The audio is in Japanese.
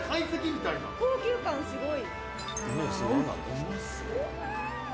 高級感すごい。